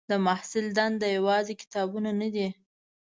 د محصل دنده یوازې کتابونه نه دي.